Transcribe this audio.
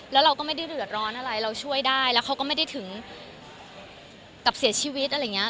แล้วเราก็ไม่ได้เดือดร้อนอะไรเราช่วยได้แล้วเขาก็ไม่ได้ถึงกับเสียชีวิตอะไรอย่างนี้